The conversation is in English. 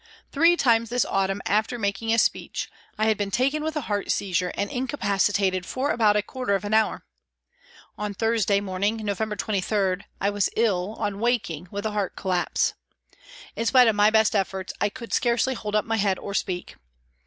Three times this autumn, after making a speech, I had been taken with heart seizure and incapaci tated for about a quarter of an hour. On Thursday morning, November 23, I was ill, on waking, with a heart collapse. In spite of my best efforts, I could scarcely hold up my head or speak.